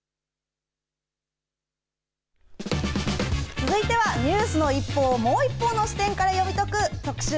続いてはニュースの一報をもう一方の視点から読み解く特集